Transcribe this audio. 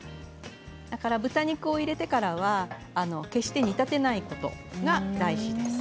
だから豚肉を入れてからは決して煮立てないことそれが大事です。